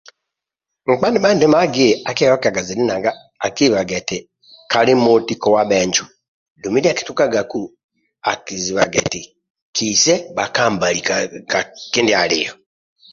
Nkpa nibhandimagi akieyokiaga zidhi nanga akibaga eti kali moti kowa bhenjo dumbi ndia akitukagaku akizibaga eti kise bhakambali ka ka kidia alio